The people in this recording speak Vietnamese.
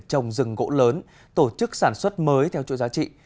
trồng rừng gỗ lớn tổ chức sản xuất mới theo chuỗi giá trị